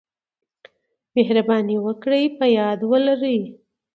مهرباني وکړئ په یاد ولرئ: